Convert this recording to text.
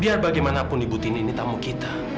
biar bagaimanapun ibu tini ini tamu kita